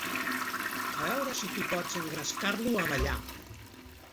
A veure si tu pots engrescar-lo a ballar.